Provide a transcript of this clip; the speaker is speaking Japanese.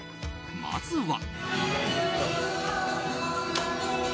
まずは。